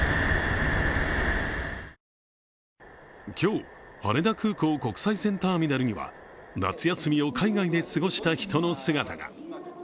今日、羽田空港国際線ターミナルには夏休みを海外で過ごした人の姿が。